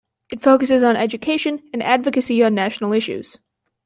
It focuses on education and advocacy on national issues.